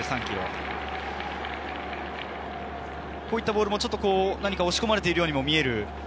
こういったボールも押し込まれているように見える。